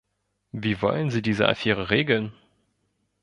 Wie wollen Sie diese Affäre regeln?